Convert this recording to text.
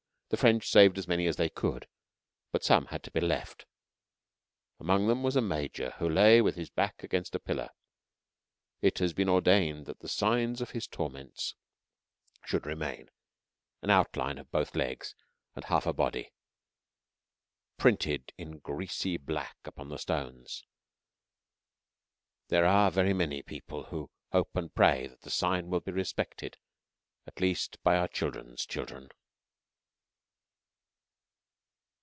The French saved as many as they could, but some had to be left. Among them was a major, who lay with his back against a pillar. It has been ordained that the signs of his torments should remain an outline of both legs and half a body, printed in greasy black upon the stones. There are very many people who hope and pray that the sign will be respected at least by our children's children.